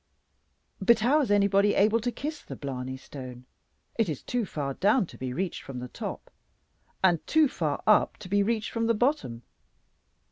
But how is anybody able to kiss the Blarney Stone? It is too far down to be reached from the top, and too far up to be reached from the bottom.